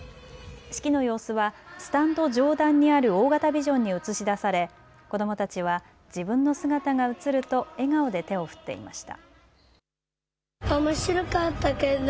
式の様子はスタンド上段にある大型ビジョンに映し出され子どもたちは自分の姿が映ると笑顔で手を振っていました。